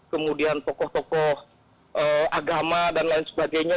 kemudian tokoh tokoh agama dan lain sebagainya